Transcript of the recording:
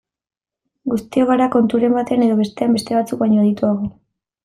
Guztiok gara konturen batean edo bestean beste batzuk baino adituago.